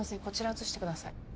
こちら写してください